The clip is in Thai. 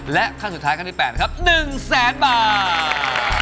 และขั้นสุดท้ายขั้นที่๘นะครับ๑แสนบาท